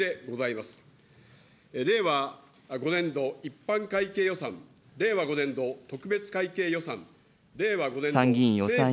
令和５年度一般会計予算、令和５年度特別会計予算。